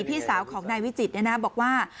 พี่สาวของนายวิจิตรบอกว่า